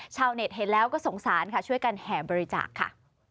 ชาวเน็ตเห็นแล้วก็สงสารค่ะช่วยกันแห่บริจาคค่ะ